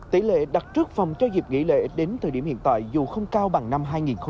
tỷ lệ đặt trước phòng cho dịp nghỉ lễ đến thời điểm hiện tại dù không cao bằng năm hai nghìn một mươi chín